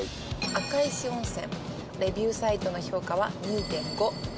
赤石温泉レビューサイトの評価は２．５。